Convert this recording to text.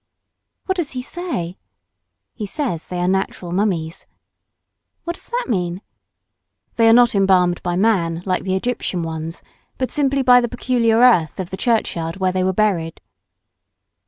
"What does he say?" "He says they are natural mummies." "What does that mean?" "They are not embalmed by man, like the Egyptian ones, but simply by the peculiar earth of the churchyard where they were buried."